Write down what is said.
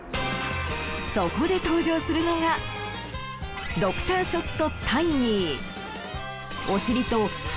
そこで登場するのがドクターショットタイニー。